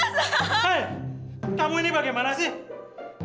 hei tamu ini bagaimana sih